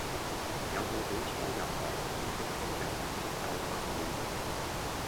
有無俾初入行兼職車長有足夠訓練?